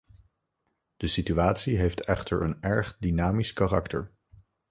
De situatie heeft echter een erg dynamisch karakter.